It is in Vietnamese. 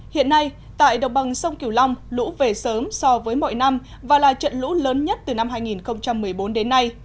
hiện nay tại đồng bằng sông kiều long lũ về sớm so với mọi năm và là trận lũ lớn nhất từ năm hai nghìn một mươi bốn đến nay